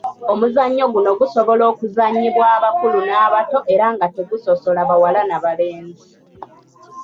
Omuzannyo guno gusobola okuzannyibwa abakulu n’abato era nga tegusosola bawala n’abalenzi.